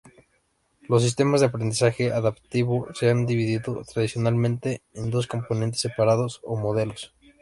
Los sistemas de aprendizaje adaptativo se han dividido tradicionalmente en componentes separados o "modelos".